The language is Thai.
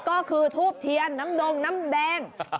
ก็คือทูบเทียนน้ำดงน้ำแดง